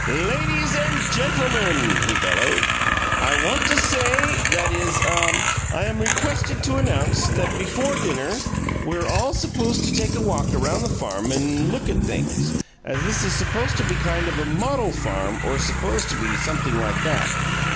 "Ladies and gentlemen," he bellowed, "I want to say that is ah I am requested to announce t that before dinner we're all supposed to take a walk around the farm and look at things, as this is supposed to be kind of a model farm or supposed to be something like that.